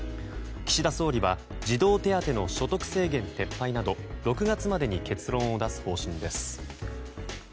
岸田総理は児童手当の所得制限撤廃など６月までに結論を出す方針です。